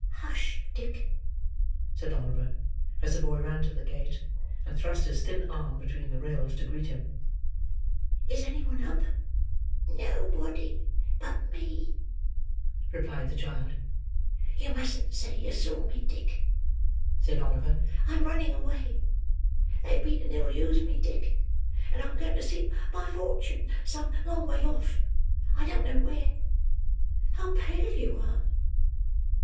"Hush, Dick!" said Oliver, as the boy ran to the gate, and thrust his thin arm between the rails to greet him. "Is any one up?" "Nobody but me," replied the child. "You musn't say you saw me, Dick," said Oliver. "I am running away. They beat and ill use me, Dick; and I am going to seek my fortune, some long way off. I don't know where. How pale you are!"